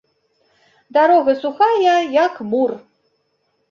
Дарога сухая, як мур.